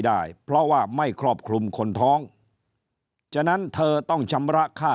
ได้เพราะว่าไม่ครอบคลุมคนท้องฉะนั้นเธอต้องชำระค่า